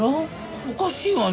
おかしいわね。